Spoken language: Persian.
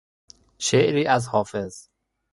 شعری از حافظ